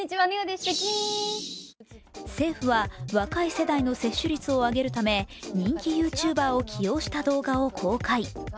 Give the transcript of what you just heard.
政府は若い世代の接種率を上げるため、人気ＹｏｕＴｕｂｅｒを起用した動画を公開。